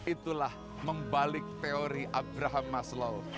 itulah membalik teori abraham maslau